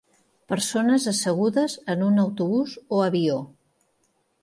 Persones assegudes en un autobús o avió.